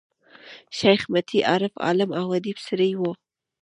شېخ متي عارف، عالم او اديب سړی وو.